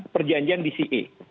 perjanjian di ca